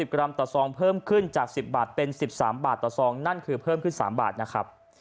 กรัมต่อซองเพิ่มขึ้นจาก๑๐บาทเป็น๑๓บาทต่อซองนั่นคือเพิ่มขึ้น๓บาทนะครับ